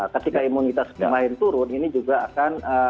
ketika imunitas pemain turun ini juga akan